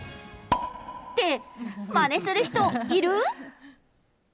って、まねする人いる？